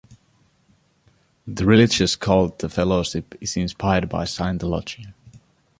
The religious cult the Fellowship is inspired by Scientology.